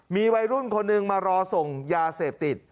มีวัยรุ่นคนหนึ่งมารอส่งยาเสพติด